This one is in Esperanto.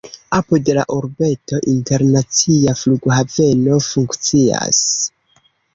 Apud la urbeto internacia flughaveno funkcias.